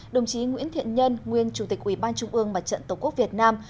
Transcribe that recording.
đồng chí nguyễn thiện nhân nguyên chủ tịch ủy ban trung ương mặt trận tổ quốc việt nam